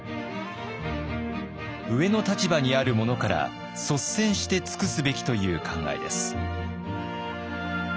上の立場にある者から率先して尽くすべきという考えです。